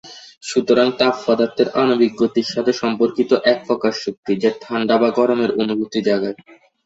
সুতরাং তাপ পদার্থের আণবিক গতির সাথে সম্পর্কিত এক প্রকার শক্তি যা ঠান্ডা বা গরমের অনুভূতি জাগায়।